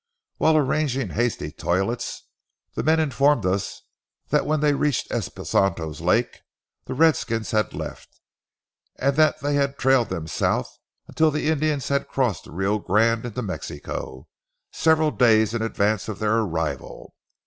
While arranging hasty toilets, the men informed us that when they reached Espontos Lake the redskins had left, and that they had trailed them south until the Indians had crossed the Rio Grande into Mexico several days in advance of their arrival.